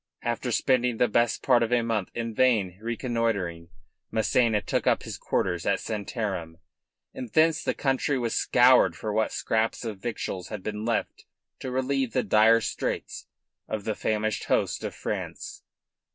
After spending best part of a month in vain reconnoitering, Massena took up his quarters at Santarem, and thence the country was scoured for what scraps of victuals had been left to relieve the dire straits of the famished host of France.